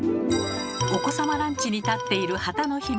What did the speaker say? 「お子様ランチに立っている旗の秘密」